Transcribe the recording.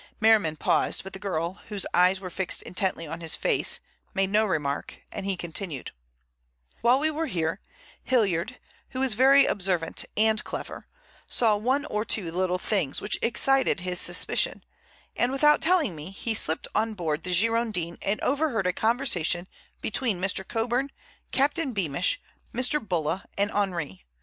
Merriman paused, but the girl, whose eyes were fixed intently on his face, made no remark, and he continued: "While we were here, Hilliard, who is very observant and clever, saw one or two little things which excited his suspicion, and without telling me, he slipped on board the Girondin and overheard a conversation between Mr. Coburn, Captain Beamish, Mr. Bulla, and Henri.